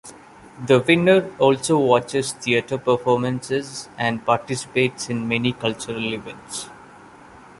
The Winner also watches theatre performances and participates in many cultural events.